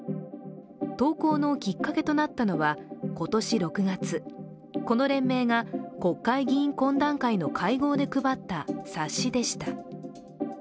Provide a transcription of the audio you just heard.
投稿のきっかけとなったのは今年６月、この連盟が国会議員懇談会の会合で配った冊子でした。